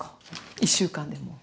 １週間でも。